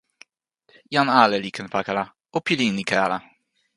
jan ale li ken pakala. o pilin ike ala.